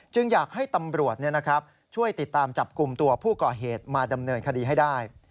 อยากให้ตำรวจช่วยติดตามจับกลุ่มตัวผู้ก่อเหตุมาดำเนินคดีให้ได้